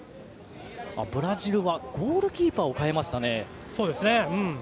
ブラジルは、ゴールキーパーを代えましたね。